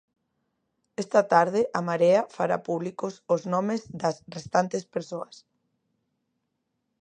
Esta tarde a Marea fará públicos os nomes das restantes persoas.